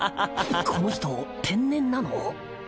この人天然なの？